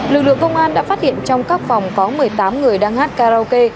lực lượng công an đã phát hiện trong các phòng có một mươi tám người đang hát karaoke